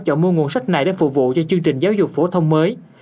chọn mua nguồn sách này để phục vụ cho chương trình giáo dục phổ thông mới